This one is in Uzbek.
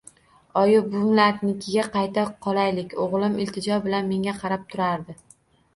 Oyi, buvimlarnikiga qayta qolaylik, o`g`lim iltijo bilan menga qarab turardi